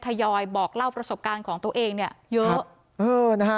ทยอยบอกเล่าประสบการณ์ของตัวเองเนี่ยเยอะนะฮะ